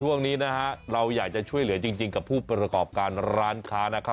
ช่วงนี้นะฮะเราอยากจะช่วยเหลือจริงกับผู้ประกอบการร้านค้านะครับ